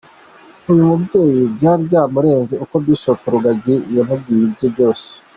Uyu mubyeyi byari byamurenze uko Bishop Rugagi yamubwiye ibye byose.